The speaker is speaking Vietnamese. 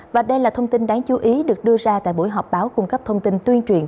và đây là thông tin đáng chú ý được đưa ra tại buổi họp báo cung cấp thông tin tuyên truyền